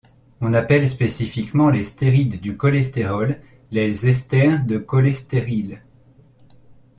On appelle spécifiquement les stérides du cholestérol les esters de cholestéryle.